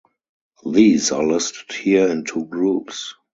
These are listed here in two groups.